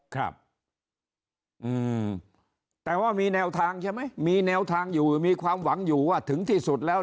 ครับอืมแต่ว่ามีแนวทางใช่ไหมมีแนวทางอยู่มีความหวังอยู่ว่าถึงที่สุดแล้ว